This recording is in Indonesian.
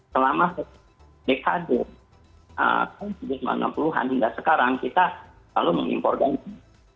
selama dekade tahun seribu sembilan ratus enam puluh an hingga sekarang kita selalu mengimpor gandum